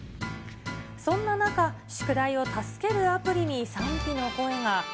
そんな中、宿題を助けるアプリに賛否の声が。